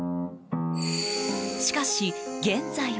しかし、現在は。